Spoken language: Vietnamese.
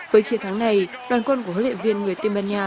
với chiến thắng này đoàn quân của huấn luyện viên người tây ban nha